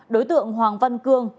đối tượng hoàng văn cương